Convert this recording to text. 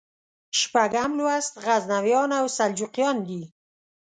شپږم لوست غزنویان او سلجوقیان دي.